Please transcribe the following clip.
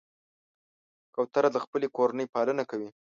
کوتره د خپلې کورنۍ پالنه کوي.